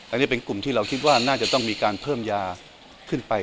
อันนี้เป็นกลุ่มที่เราคิดว่าน่าจะต้องมีการเพิ่มยาขึ้นไป